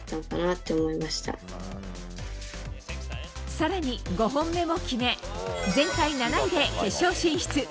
更に、５本目も決め全体７位で決勝進出。